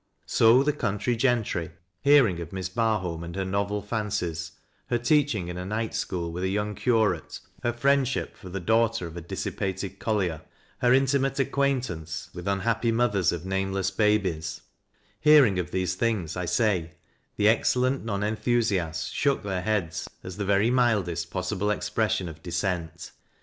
So the country gentry, hearing of Miss Barholm and her novel fancies, — ^her teaching in a night school with a young curate, her friendship for the daughter of a dissipated collier, her intimate acquaintance with ragged boys and fighting terriers, her interest in the unhappy mothers of nameless babies, — hearing of these things, I say, the excellent nonenthusiasts shook their heads as the very mildest possible expression of dissent.